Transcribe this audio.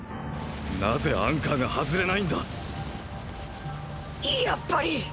なぜアンカーが外れないんだやっぱり！！